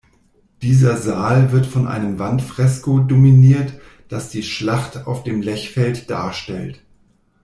Dieser Saal wird von einem Wandfresko dominiert, das die Schlacht auf dem Lechfeld darstellt.